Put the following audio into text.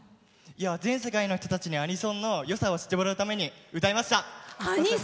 全世界の人たちにアニソンのよさを知ってもらうために歌いました。